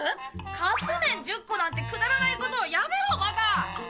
カップ麺１０個なんてくだらないことやめろバカ！